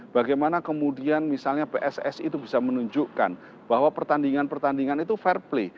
bagaimana kemudian misalnya pssi itu bisa menunjukkan bahwa pertandingan pertandingan itu fair play